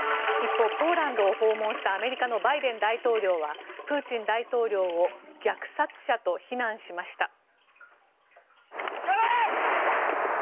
一方、ポーランドを訪問したアメリカのバイデン大統領はプーチン大統領を虐殺者と非難しました。